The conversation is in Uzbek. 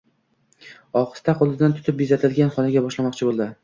Ohista qo`lidan tutib, bezatilgan xonaga boshlamoqchi bo`ldi